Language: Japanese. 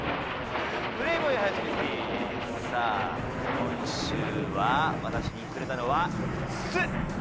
今週は私にくれたのは酢！